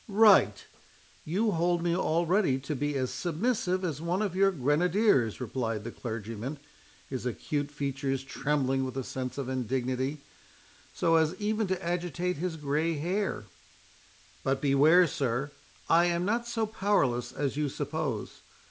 "Right—you hold me already to be as submissive as one of your grenadiers," replied the clergyman, his acute features trembling with a sense of indignity, so as even to agitate his grey hair; "but beware, sir, I am not so powerless as you suppose.